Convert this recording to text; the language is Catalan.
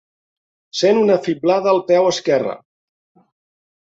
Sent una fiblada al peu esquerre.